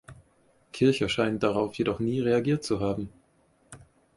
Kircher scheint darauf jedoch nie reagiert zu haben.